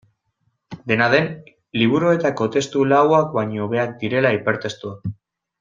Dena den, liburuetako testu lauak baino hobeak direla hipertestuak.